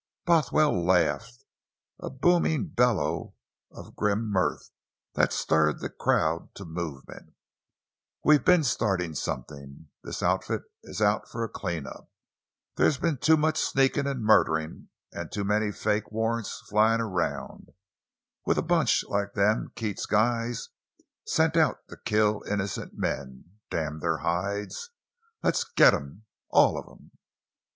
Bothwell laughed, a booming bellow of grim mirth that stirred the crowd to movement. "We've been startin' somethin'! This outfit is out for a clean up! There's been too much sneakin' an' murderin'; an' too many fake warrants flyin' around, with a bunch like them Keats guys sent out to kill innocent men. Damn their hides! Let's get 'em—all of 'em!"